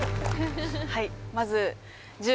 はい